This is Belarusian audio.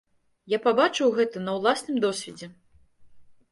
Я пабачыў гэта на ўласным досведзе.